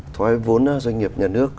thuái vốn doanh nghiệp nhà nước